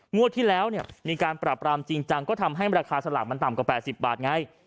งวดที่แล้วเนี่ยมีการปรับรามจริงจังก็ทำให้ราคาสลากมันต่ำกว่า๘๐บาทไง